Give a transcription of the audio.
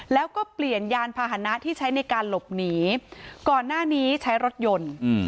แล้วก็เปลี่ยนยานพาหนะที่ใช้ในการหลบหนีก่อนหน้านี้ใช้รถยนต์